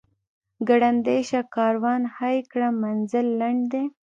ګړندی شه کاروان هی کړه منزل لنډ دی.